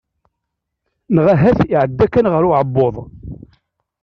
Neɣ ahat iɛedda kan ɣer uɛebbuḍ.